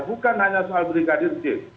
bukan hanya soal brigadir j